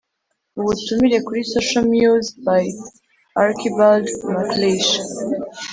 "ubutumire kuri social muse" by archibald macleish